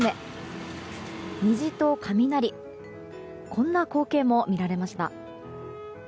こんな光景も見られました。